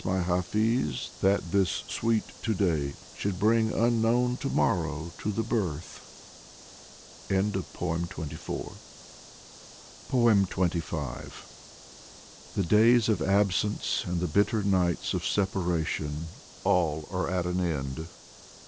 my Hafiz, that this sweet To day Should bring unknown To morrow to the birth !" 96 DIVAN OF HAFIZ XXV THE days of absence and the bitter nights Of separation, all are at an end